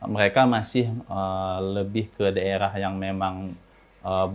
mereka masih lebih ke daerah yang memang padat penduduk